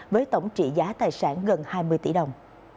với tổng trị giá tài sản gần hai mươi tỷ đồng